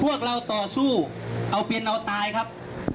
พวกเราต่อสู้เอาเป็นเอาตายครับ